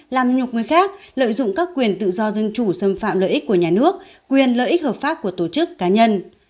làm nhục người khác lợi dụng các quyền tự do dân chủ xâm phạm lợi ích của nhà nước quyền lợi ích hợp pháp của tổ chức cá nhân